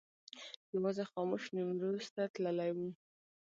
یوازې خاموش نیمروز ته تللی و.